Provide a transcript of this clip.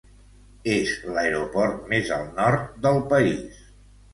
És l'aeroport més al nord del país.